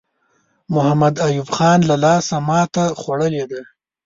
محمد ایوب خان له لاسه ماته خوړلې ده.